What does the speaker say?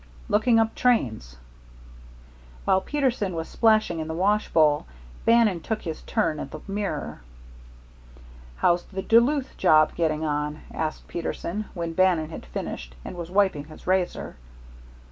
"Looking up trains." While Peterson was splashing in the washbowl, Bannon took his turn at the mirror. "How's the Duluth job getting on?" asked Peterson, when Bannon had finished, and was wiping his razor.